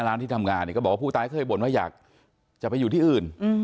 ที่ทำงานเนี่ยก็บอกว่าผู้ตายเคยบ่นว่าอยากจะไปอยู่ที่อื่น